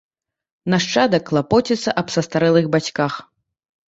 Нашчадак клапоціцца аб састарэлых бацьках.